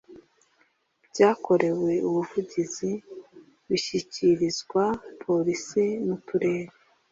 byakorewe ubuvugizi bishyikirizwa Polisi n Uturere